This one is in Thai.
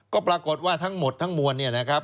ก็ปรากฏว่าทั้งหมดทั้งมวลเนี่ยนะครับ